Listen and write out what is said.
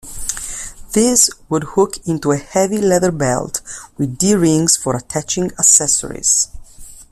This would hook into a heavy leather belt with D-rings for attaching accessories.